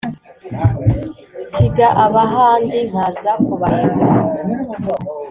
nsiga abahandi nkaza kubareba